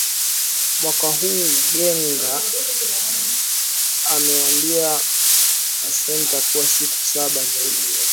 mwaka huu ngega amewambia maseneta kuwa siku saba zaidi zitatosha